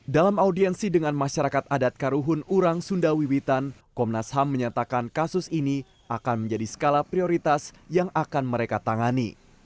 dalam audiensi dengan masyarakat adat karuhun urang sundawiwitan komnas ham menyatakan kasus ini akan menjadi skala prioritas yang akan mereka tangani